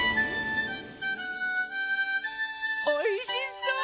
おいしそう！